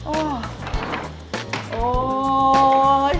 โอ้ย